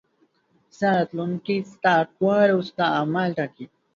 ستا راتلونکی ستا اقوال او ستا اعمال ټاکي.